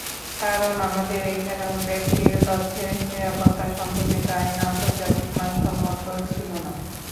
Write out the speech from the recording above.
কারণ, আমাদের এখানেও ব্যক্তির তথ্যের নিরাপত্তা সম্পর্কিত আইন আন্তর্জাতিক মানসম্মত ছিল না।